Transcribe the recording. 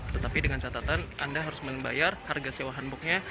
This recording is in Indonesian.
tetapi dengan catatan anda harus membayar harga sewa hanboknya